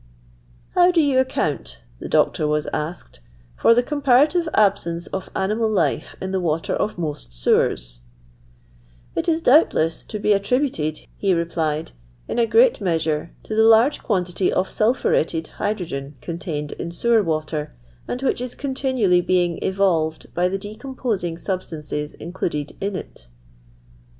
'How do you account," the Doctor was asked, " for the comparative absence of animal life in the water of most sewers 1" It is, doubtless, to be attributed/' he replied, "in a great measure, to the large quantity of sulphuretted hydrogen contained in sewer water, and which is continually being evolved by the decomposing substances included in it."